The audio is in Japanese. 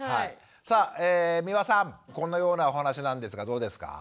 さあ三輪さんこんなようなお話なんですがどうですか。